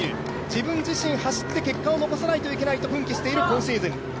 自分自身走って結果を残さないといけないと奮起している今シーズン。